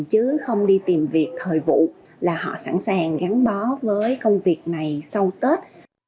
chứ không đi tìm việc thời vụ là họ sẵn sàng gắn bó với công việc này sau tết